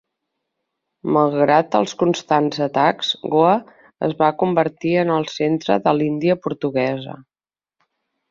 Malgrat els constants atacs, Goa es va convertir en el centre de l'Índia portuguesa.